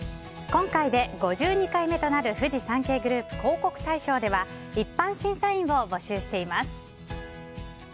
今回で第５２回目となるフジサンケイグループ広告大賞では一般審査員を募集しています。